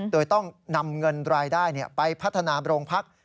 โดยต้องนำเงินรายได้ไปพัฒนาโรงพัก